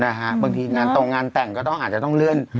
นะฮะบางทีตรงงานแต่งก็อาจจะต้องเลื่อน